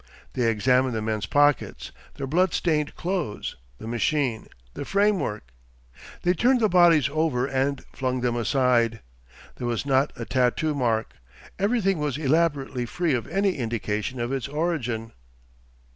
They examined the men's pockets, their bloodstained clothes, the machine, the framework. They turned the bodies over and flung them aside. There was not a tattoo mark.... Everything was elaborately free of any indication of its origin.